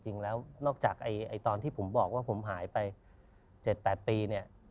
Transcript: จริงแล้วนอกจากตอนที่ผมบอกว่าผมหายไป๗๘ปีเนี่ย